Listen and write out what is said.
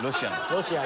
ロシア。